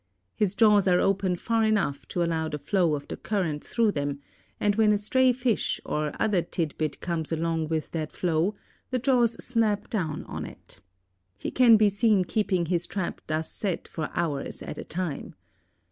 His jaws are open far enough to allow the flow of the current through them, and when a stray fish or other tid bit comes along with that flow, the jaws snap down on it. He can be seen keeping his trap thus set for hours at a time.